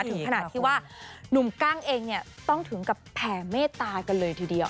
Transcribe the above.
ถึงขนาดที่ว่าหนุ่มกั้งเองเนี่ยต้องถึงกับแผ่เมตตากันเลยทีเดียว